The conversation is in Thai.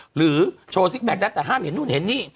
หรือโชว์ซิกแก๊กได้แต่ห้ามเห็นนู่นเห็นนี่